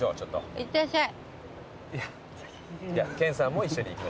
いってらっしゃい。